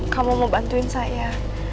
kamu mau bantuin saya